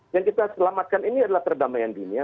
yang kita selamatkan ini adalah perdamaian dunia